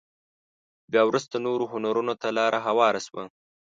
بيا وروسته نورو هنرونو ته لاره هواره شوه.